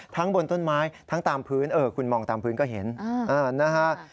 บนต้นไม้ทั้งตามพื้นคุณมองตามพื้นก็เห็นนะฮะ